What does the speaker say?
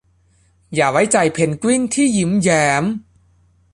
อย่าไว้ใจเพนกวินที่ยิ้มแย้ม